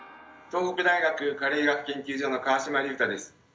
東北大学加齢医学研究所の川島隆太です。